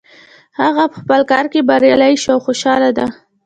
هغه په خپل کار کې بریالی شو او خوشحاله ده